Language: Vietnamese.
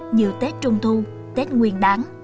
như tết trung thu tết nguyên đáng